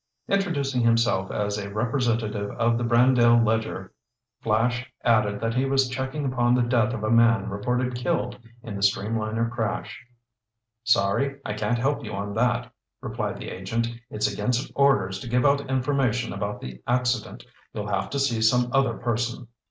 Introducing himself as a representative of the Brandale Ledger, Flash added that he was checking upon the death of a man reported killed in the streamliner crash. "Sorry I can't help you on that," replied the agent. "It's against orders to give out information about the accident. You'll have to see some other person."